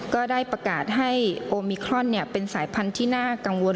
ก็ได้ประกาศให้โอมิครอนเป็นสายพันธุ์ที่น่ากังวล